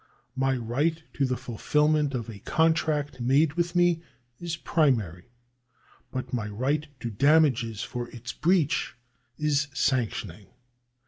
My right to the fulfilment of a contract made with me is primary ; but my right to damages for its breach is sanctioning.